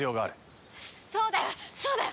そうだよそうだよ！